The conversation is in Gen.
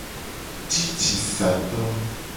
Cicisato.